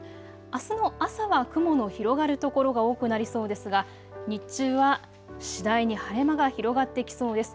あすの朝は雲の広がる所が多くなりそうですが日中は次第に晴れ間が広がってきそうです。